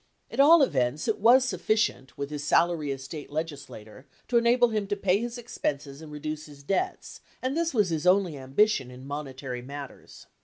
At all events, it was sufficient, with his salary as State legislator, to enable him to pay his expenses and reduce his debts, and this was his only ambi tion in monetary matters.